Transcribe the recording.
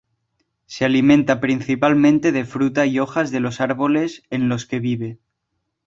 Se alimenta principalmente de fruta y hojas de los árboles en los que vive.